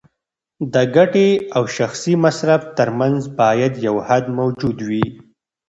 د ګټې او شخصي مصرف ترمنځ باید یو حد موجود وي.